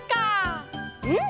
うん！